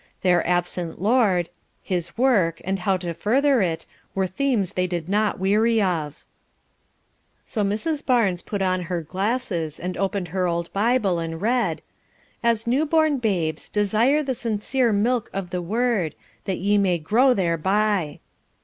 Their absent Lord His work, and how to further it, were themes they did not weary of. So Mrs. Barnes put on her glasses and opened her old Bible and read, "As new born babes, desire the sincere milk of the Word, that ye may grow thereby."